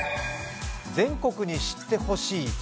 「全国に知ってほしい！